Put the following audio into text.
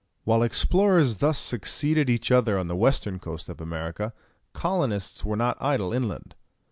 While explorers thus succeeded each other on the western coast of America, colonists were not idle inland.